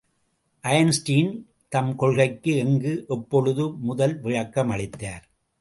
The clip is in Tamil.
ஐன்ஸ்டீன் தம் கொள்கைக்கு எங்கு, எப்பொழுது முதல் விளக்கமளித்தார்?